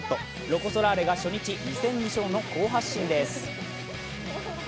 ロコ・ソラーレが初日２戦２勝の好発進です。